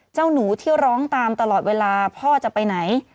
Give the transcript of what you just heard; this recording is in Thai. เจ้าหนูที่ร้องตามตลอดเวลาพ่อจะไปไหน